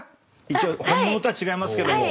一応本物とは違いますけども。